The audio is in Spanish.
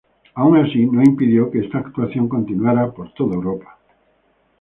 Aun así, no impidió que esta actuación continuara en todo Europa.